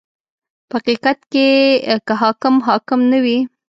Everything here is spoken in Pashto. • په حقیقت کې که حاکم حاکم نه وي.